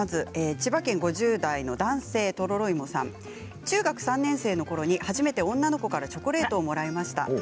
千葉県５０代の男性中学３年生のころに初めて女の子からチョコレートをもらいました。